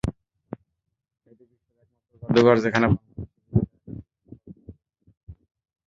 এটি বিশ্বের একমাত্র জাদুঘর যেখানে বাংলাদেশের রিকশায় আঁকা চিত্রকর্ম প্রদর্শিত হয়।